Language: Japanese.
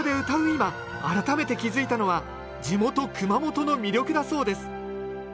今改めて気付いたのは地元熊本の魅力だそうです